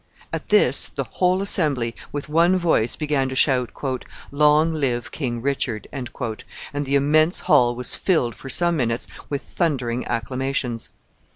At this, the whole assembly, with one voice, began to shout, "Long live King Richard!" and the immense hall was filled, for some minutes, with thundering acclamations.